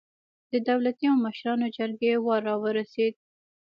د دولتي او مشرانو جرګې وار راورسېد.